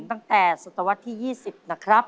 ตั้งแต่สุตวรรษที่๒๐นะครับ